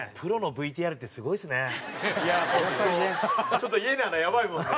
ちょっと家ならやばいもんね。